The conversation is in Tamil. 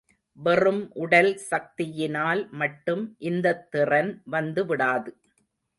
வெறும் உடல் சக்தியினால் மட்டும் இந்தத் திறன் வந்துவிடாது.